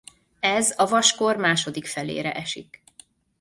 Ez a vaskor második felére esik.